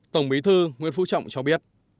tổng bí thư nguyễn phú trọng cho biết